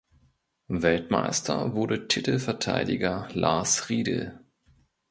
Weltmeister wurde Titelverteidiger Lars Riedel.